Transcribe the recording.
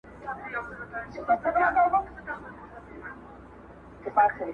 • یو اوزګړی د کوهي خولې ته نیژدې سو -